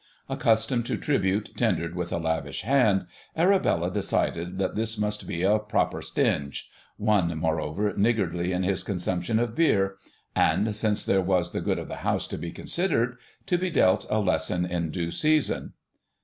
Accustomed to tribute tendered with a lavish hand, Arabella decided that this must be a "proper stinge,"—one, moreover, niggardly in his consumption of beer, and (since there was the good of the house to be considered) to be dealt a lesson in due season.